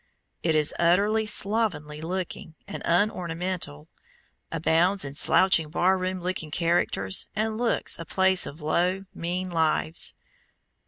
It is utterly slovenly looking, and unornamental, abounds in slouching bar room looking characters, and looks a place of low, mean lives.